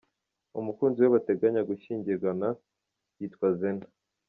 Umukunzi we bateganya gushyingiranwa yitwa Zena.